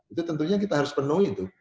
itu tentunya kita harus penuhi itu